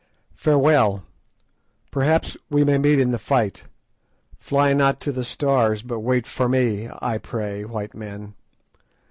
Farewell; perhaps we may meet in the fight; fly not to the Stars, but wait for me, I pray, white men."